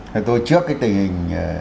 thì tôi trước cái tình hình